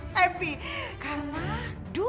saya cuma biar bosnya itu